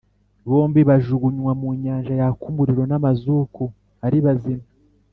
Bombi bajugunywa mu nyanja yaka umuriro n’amazuku ari bazima.